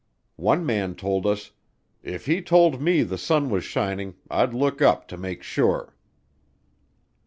One man told us, "If he told me the sun was shining, I'd look up to make sure."